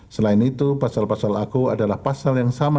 selain itu pasal pasal aku adalah pasal yang sama